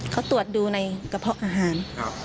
มาตรวจดูกับกระพะอาหาร